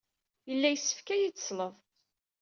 Yella yessefk ad iyi-tesleḍ.